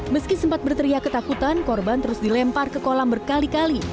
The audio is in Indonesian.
meski sempat berteriak ketakutan korban terus dilempar ke kolam berkali kali